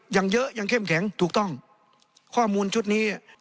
ยังเยอะยังเข้มแข็งถูกต้องข้อมูลชุดนี้